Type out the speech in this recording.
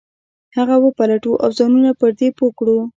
هغه وپلټو او ځانونه پر دې پوه کړو.